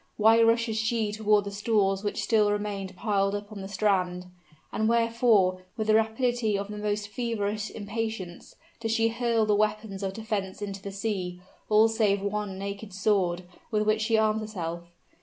why rushes she toward the stores which still remained piled up on the strand? and wherefore, with the rapidity of the most feverish impatience, does she hurl the weapons of defense into the sea, all save one naked sword, with which she arms herself?